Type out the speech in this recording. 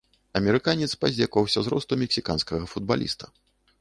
Амерыканец паздзекаваўся з росту мексіканскага футбаліста.